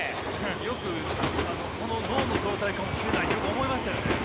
よくこの脳の状態かもしれないってよく思いましたよね。